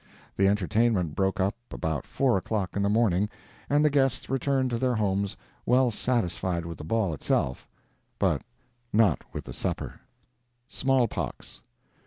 The entertainment broke up about four o'clock in the morning, and the guests returned to their homes well satisfied with the ball itself, but not with the supper. SMALL POX.